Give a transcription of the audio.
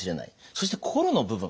そして心の部分。